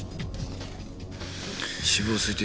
死亡推定